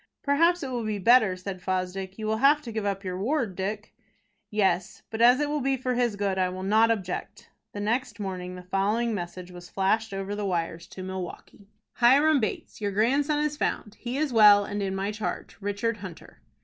"Perhaps it will be better," said Fosdick. "You will have to give up your ward, Dick." "Yes; but as it will be for his good, I will not object." The next morning the following message was flashed over the wires to Milwaukie: "HIRAM BATES. "Your grandson is found. He is well, and in my charge. "RICHARD HUNTER."